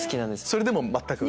それでも全く？